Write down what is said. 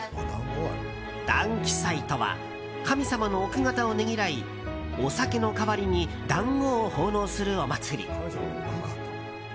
団碁祭とは神様の奥方をねぎらいお酒の代わりに団子を奉納するお祭り。